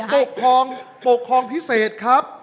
ปกครองปกครองพิเศษครับ